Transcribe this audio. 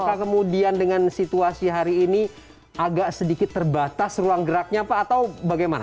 apakah kemudian dengan situasi hari ini agak sedikit terbatas ruang geraknya pak atau bagaimana